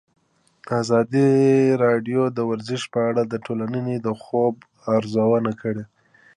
ازادي راډیو د ورزش په اړه د ټولنې د ځواب ارزونه کړې.